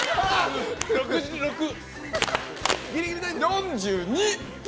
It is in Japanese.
４２。